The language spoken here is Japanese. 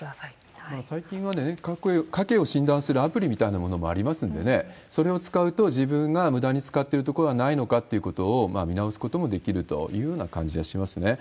最近は家計を診断するアプリみたいなものもありますのでね、それを使うと、自分がむだに使ってるところはないのかっていうことを見直すこともできるというような感じはしますね。